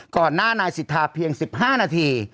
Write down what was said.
ก่อนหน้านายสิทธาเพียง๑๕นาที